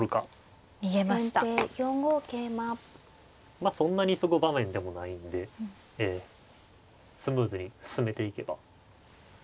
まあそんなに急ぐ場面でもないんでスムーズに進めていけば。